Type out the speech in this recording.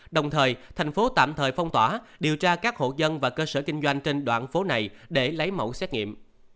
đồng thời thành phố tạm thời phong tỏa điều tra các hộ dân và cơ sở kinh doanh trên đoạn phố này để lấy mẫu xét nghiệm